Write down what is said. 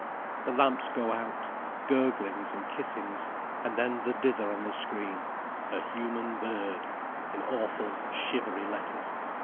The lamps go out: gurglings and kissings—and then the dither on the screen: "The Human Bird," in awful shivery letters.